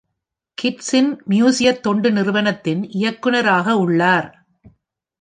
Kids in Museum தொண்டு நிறுவனத்தின் இயக்குநராக உள்ளார்.